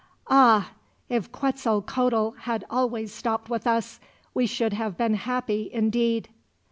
Ah! If Quetzalcoatl had always stopped with us, we should have been happy, indeed!"